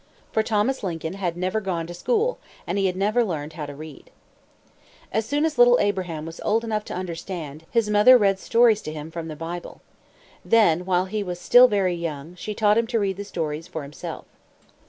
For Thomas Lincoln had never gone to school, and he had never learned how to read. As soon as little Abraham Lincoln was old enough to understand, his mother read stories to him from the Bible. Then, while he was still very young, she taught him to read the stories for himself.